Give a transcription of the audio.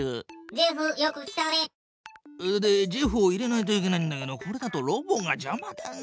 ジェフよく来たね。でジェフを入れないといけないんだけどこれだとロボがじゃまだな。